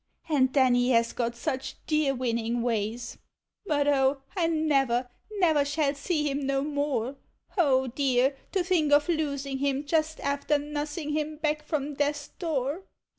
And then he has got such dear winning ways — but (), I never, never shall see him no more! O dear! to think of losing him just after nussing him back from death's door!